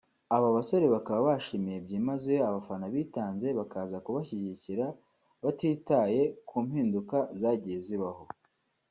aba basore bakaba bashimiye byimazeyo abafana bitanze bakaza kubashyigikira batitaye ku mpinduka zagiye zibaho